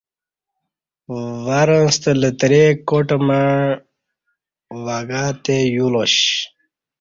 ورں ستہ لتری کاٹ مع وݣہ تے یو لا ش